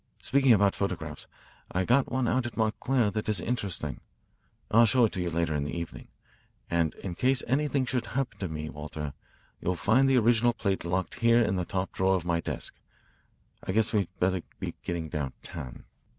Speaking about photographs, I got one out at Montclair that is interesting. I'll show it to you later in the evening and in case anything should happen to me, Walter, you'll find the original plate locked here in the top drawer of my desk. I guess we'd better be getting downtown."